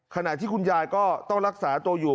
ขณะที่คุณยายก็ต้องรักษาตัวอยู่